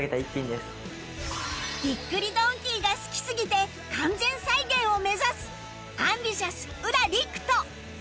びっくりドンキーが好きすぎて完全再現を目指す ＡｍＢｉｔｉｏｕｓ 浦陸斗